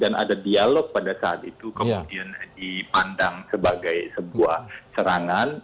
ada dialog pada saat itu kemudian dipandang sebagai sebuah serangan